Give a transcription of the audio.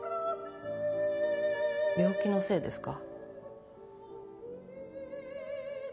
病気のせいですか？